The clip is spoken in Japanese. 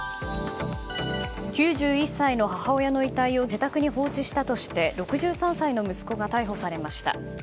９１歳の母親の遺体を自宅に放置したとして６３歳の息子が逮捕されました。